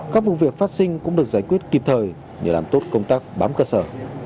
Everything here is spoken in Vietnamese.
các vụ việc phát sinh cũng được giải quyết kịp thời để làm tốt công tác bám cơ sở